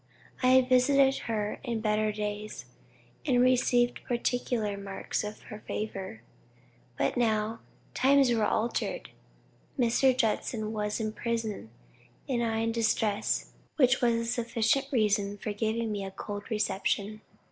I had visited her in better days, and received particular marks of her favor. But now, times were altered, Mr. Judson was in prison, and I in distress, which was a sufficient reason for giving me a cold reception.